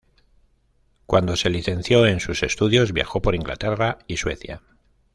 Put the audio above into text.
Cuando se licenció en sus estudios, viajó por Inglaterra y Suecia.